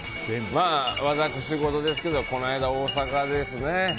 私事ですけどこの間、大阪ですね